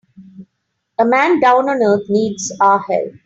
A man down on earth needs our help.